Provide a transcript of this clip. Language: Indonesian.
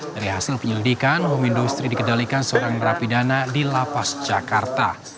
dari hasil penyelidikan home industry dikedalikan seorang rapidana di lapas jakarta